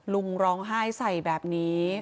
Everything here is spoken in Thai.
ลุงร้องไห้ใส่แบบนี้